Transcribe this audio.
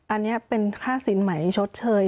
อันนี้เป็นค่าสินใหม่ชดเชย